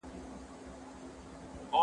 او کنټرول يې د دوی